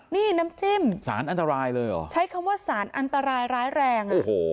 นี่ครับสารอันตรายร้ายแรง